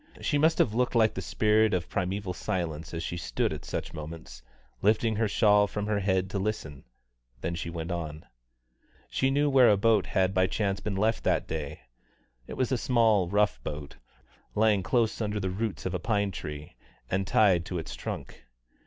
She must have looked like the spirit of primeval silence as she stood at such moments, lifting her shawl from her head to listen; then she went on. She knew where a boat had by chance been left that day; it was a small rough boat, lying close under the roots of a pine tree, and tied to its trunk.